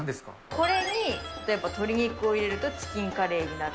これにやっぱり鶏肉を入れると、チキンカレーになる。